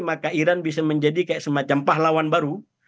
maka iran bisa menjadi kayak semacam pahlawan baru